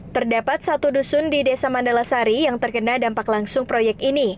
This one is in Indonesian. terdapat satu dusun di desa mandala sari yang terkena dampak langsung proyek ini